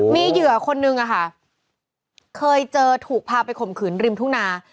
มีเหยื่อคนนึงอะค่ะเคยเจอถูกพาไปข่มขืนริมทุ่งนา